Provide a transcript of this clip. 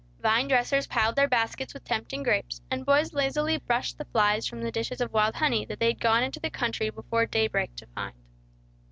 Vine dressers piled their baskets with tempting grapes, and boys lazily brushed the flies from the dishes of wild honey, that they had gone into the country before day break to find.